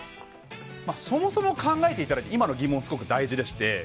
そもそも考えていただいた今の疑問はすごく大事でして。